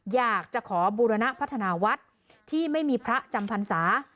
อยากจะขอบูรณพัฒนาวัดที่ไม่มีพระจำพรรษา